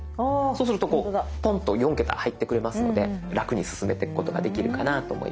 そうするとこうポンと４桁入ってくれますので楽に進めてくことができるかなと思います。